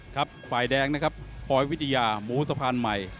ฝ่ายแดงนะครับคอยวิทยาหมูสะพานใหม่